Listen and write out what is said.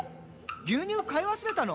牛乳買い忘れたの？」